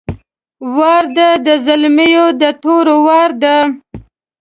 وار ده د زلمو د تورو وار ده!